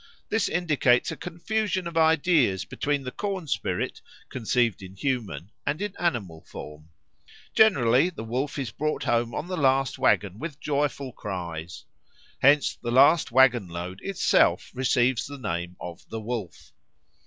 This indicates a confusion of ideas between the corn spirit conceived in human and in animal form. Generally the Wolf is brought home on the last waggon with joyful cries. Hence the last waggon load itself receives the name of the Wolf.